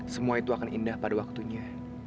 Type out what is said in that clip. semua itu akan indah pada waktunya